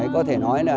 có thể nói là